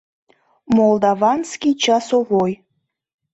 Молдаванский часовой!»